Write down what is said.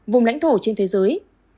vùng lãnh thổ trên thế giới